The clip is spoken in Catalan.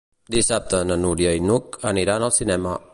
Dissabte na Núria i n'Hug aniran al cinema.